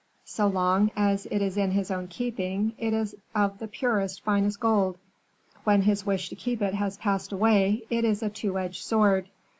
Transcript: So long as it is in his own keeping, it is of the purest, finest gold; when his wish to keep it has passed away, it is a two edged sword.